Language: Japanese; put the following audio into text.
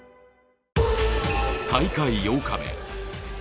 大会８日目。